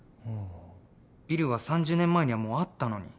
ビルは３０年前にはもうあったのに。